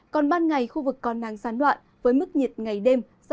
còn ban ngày khu vực còn nắng sán loạn với mức nhiệt ngày đêm